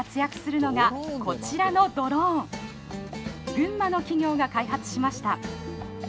群馬の企業が開発しました。